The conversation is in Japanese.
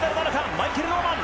マイケル・ノーマン。